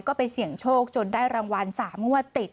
ก็ไปเสี่ยงโชคจนได้รางวัล๓งวดติด